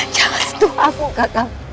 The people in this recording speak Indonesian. jangan sentuh aku kakak